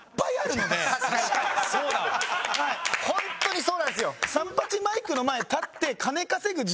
ホントにそうなんですよ。